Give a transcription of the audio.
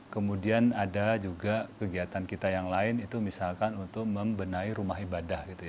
kemudian ada juga kegiatan kita yang lain itu misalkan untuk membenahi rumah ibadah gitu ya